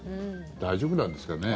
大丈夫なんですかね？